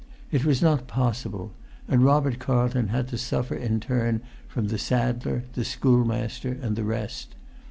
It was not possible, and Robert Carlton had to suffer in turn from the saddler, the schoolmaster, and the rest.